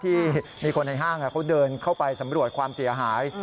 ที่มีคนในห้างเขาเดินเข้าไปสำรวจความเสียหาย